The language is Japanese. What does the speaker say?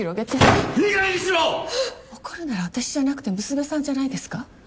いいかげんにしろ‼怒るなら私じゃなくて娘さんじゃないですか？